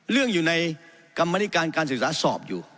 อยู่ในกรรมนิการการศึกษาสอบอยู่